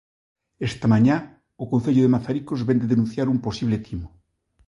Esta mañá o concello de Mazaricos vén de denunciar un posible timo.